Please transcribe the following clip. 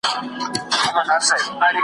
دا سرکښه دا مغروره .